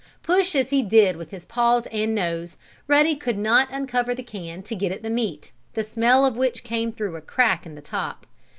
Push as he did with his paws and nose, Ruddy could not uncover the can to get at the meat, the smell of which came through a crack in the top.